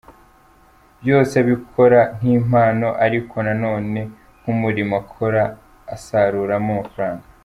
Byose abikora nk’impano ariko nanone nk’umurimo akora asaruramo amafaranga.